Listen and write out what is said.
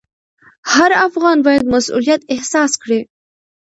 هر افغان باید مسوولیت احساس کړي.